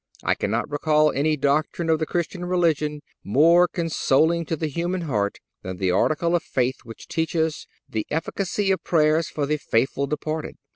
I cannot recall any doctrine of the Christian religion more consoling to the human heart than the article of faith which teaches the efficacy of prayers for the faithful departed.